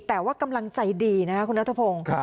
แต่ว่ากำลังใจดีนะครับคุณนัทพงศ์